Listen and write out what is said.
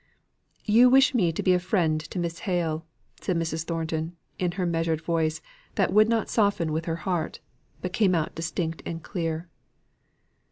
"You wish me to be a friend to Miss Hale," said Mrs. Thornton, in her measured voice, that would not soften with her heart, but came out distinct and clear.